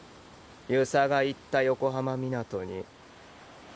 遊佐が行った横浜湊に。